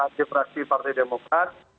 keaktifasi partai demokrat